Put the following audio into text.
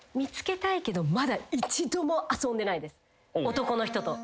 男の人と。